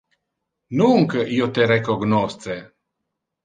Nunc io te recognosce!